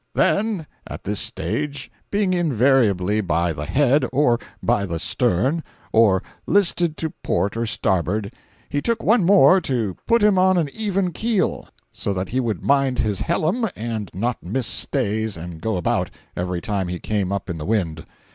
Then, at this stage, being invariably "by the head," or "by the stern," or "listed to port or starboard," he took one more to "put him on an even keel so that he would mind his hellum and not miss stays and go about, every time he came up in the wind."